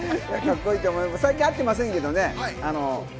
最近、会ってませんけどね。